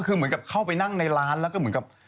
คือเหมือนกับเข้าไปนั่งในร้านแล้วก็เหมือนกับ